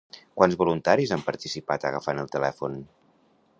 Quants voluntaris han participat agafant el telèfon?